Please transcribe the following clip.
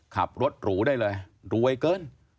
ขับรถหรูได้เลยรวยเกิน